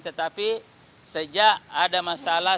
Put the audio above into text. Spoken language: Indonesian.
tetapi sejak ada masalah